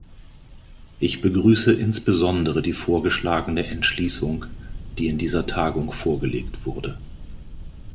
Ich begrüße insbesondere die vorgeschlagene Entschließung, die in dieser Tagung vorgelegt wurde.